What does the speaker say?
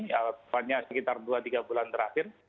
ya banyak sekitar dua tiga bulan terakhir